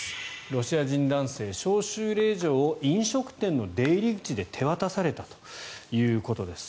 ロシア人男性招集令状を飲食店の出入り口で手渡されたということです。